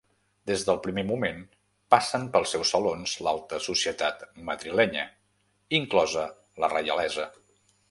Des del primer moment passen pels seus salons l'alta societat madrilenya inclosa la reialesa.